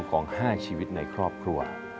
ของ๕ชีวิตในครอบครัว